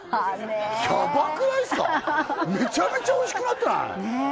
めちゃめちゃおいしくなってない？